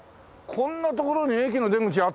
こんな所に駅の出口あった。